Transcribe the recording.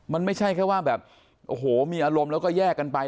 มันไม่ใช่แค่ว่าแบบโอ้โหมีอารมณ์แล้วก็แยกกันไป